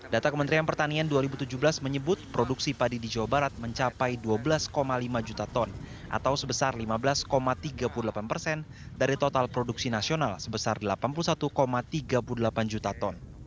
data kementerian pertanian dua ribu tujuh belas menyebut produksi padi di jawa barat mencapai dua belas lima juta ton atau sebesar lima belas tiga puluh delapan persen dari total produksi nasional sebesar delapan puluh satu tiga puluh delapan juta ton